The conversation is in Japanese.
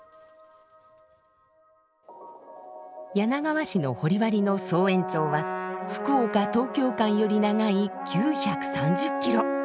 柳川市の掘割の総延長は福岡−東京間より長い９３０キロ。